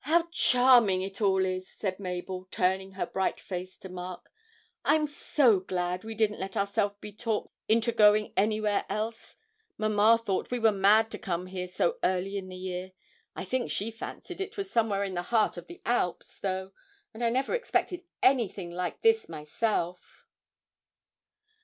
'How charming it all is!' said Mabel, turning her bright face to Mark. 'I am so glad we didn't let ourselves be talked into going anywhere else. Mamma thought we were mad to come here so early in the year. I think she fancied it was somewhere in the heart of the Alps, though, and I never expected anything like this myself?'